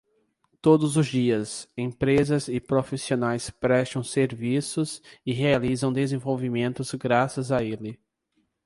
Todos os dias, empresas e profissionais prestam serviços e realizam desenvolvimentos graças a ele.